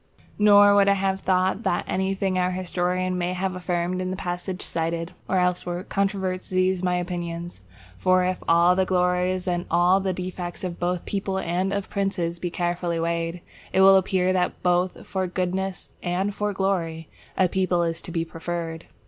Nor would I have it thought that anything our historian may have affirmed in the passage cited, or elsewhere, controverts these my opinions. For if all the glories and all the defects both of peoples and of princes be carefully weighed, it will appear that both for goodness and for glory a people is to be preferred.